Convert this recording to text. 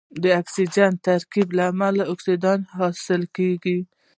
د اکسیجن د ترکیب له امله اکسایدونه حاصلیږي.